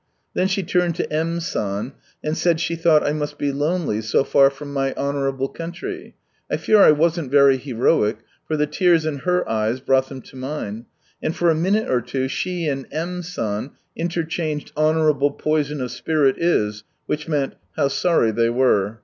Then she turned to M. San, and said she thought I must be lonely so far from my honourable country — I fear I wasn't very heroic, for the tears in her eyes Kyoto, and Onwards 59 brought them to mine, and for a minute or two she and M. San interchanged " Honourable poison of spirit is "! which meant, how sorry they were.